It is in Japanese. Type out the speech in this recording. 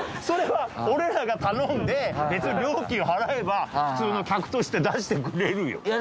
それは俺らが頼んで別に料金を払えば普通の客として出してくれるよ。